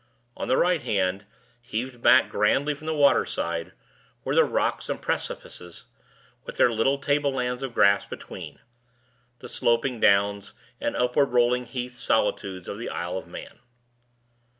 On the right hand, heaved back grandly from the water side, were the rocks and precipices, with their little table lands of grass between; the sloping downs, and upward rolling heath solitudes of the Isle of Man.